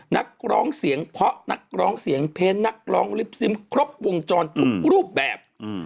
นักร้องเสียงเพลนักร้องลิปซิมครบวงจรทุกรูปแบบ